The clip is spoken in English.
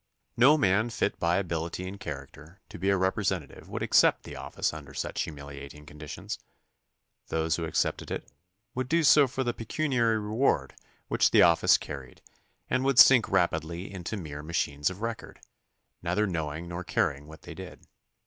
No man fit by ability and character to be a representative would accept the oflace under such humiliating conditions. Those who accepted it would do so for the pecuniary reward which the office carried and would sink rapidly into mere machines of record, neither knowing nor caring what they did.